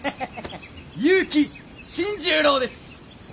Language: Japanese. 結城新十郎です。